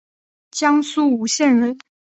江苏吴县人。